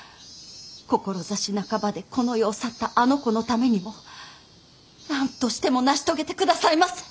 志半ばでこの世を去ったあの子のためにも何としても成し遂げてくださいませ。